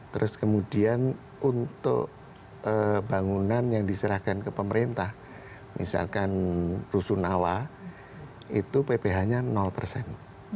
terus kemudian untuk bangunan yang diserahkan ke pemerintah misalkan rusunawa itu pph nya persen